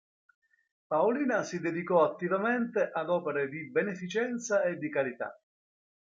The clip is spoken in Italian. Paolina si dedicò attivamente ad opere di beneficenza e di carità.